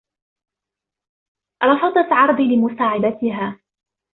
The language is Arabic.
رفضت عرضي لمساعدتها.